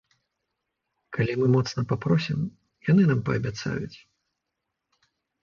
Калі мы моцна папросім, яны нам паабяцаюць.